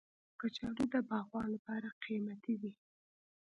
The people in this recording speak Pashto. کچالو د باغوان لپاره قیمتي دی